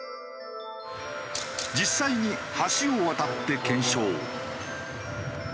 実際に橋を渡って検証。